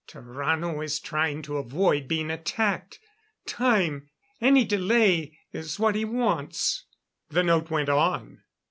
"Tarrano is trying to avoid being attacked. Time any delay is what he wants." The note went on.